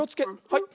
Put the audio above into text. はい。